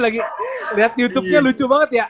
lagi lihat youtubenya lucu banget ya